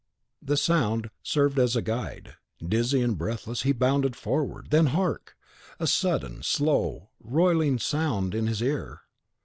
The sound served as a guide. Dizzy and breathless, he bounded forward; when hark! a sullen, slow rolling sounded in his ear!